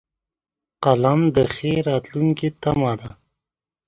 قلم د ښې راتلونکې تمه ده